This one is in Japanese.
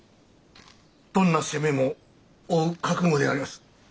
どんな責めも負う覚悟であります。